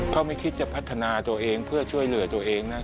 เขาไม่คิดจะพัฒนาตัวเองเพื่อช่วยเหลือตัวเองนะ